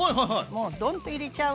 もうドンと入れちゃう。